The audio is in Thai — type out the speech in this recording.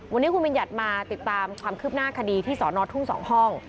วันนี้คุณบัญญัติมาติดตามความคืบหน้าคดีที่สอนอทุ่ง๒ห้อง